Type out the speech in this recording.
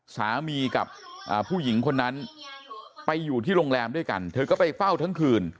สามีกับผู้หญิงคนนั้นไปอยู่ที่โรงแรมด้วยกันเธอก็ไปเฝ้าทั้งคืน